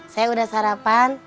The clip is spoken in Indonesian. saya udah sarapan